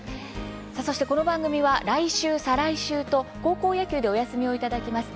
そしてこの番組は来週、再来週と高校野球でお休みをいただきます。